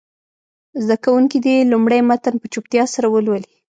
زده کوونکي دې لومړی متن په چوپتیا سره ولولي.